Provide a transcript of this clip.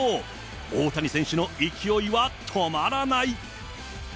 大谷選手の勢いは止まらない。